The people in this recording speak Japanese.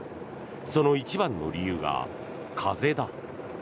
その一番の理由が風だ。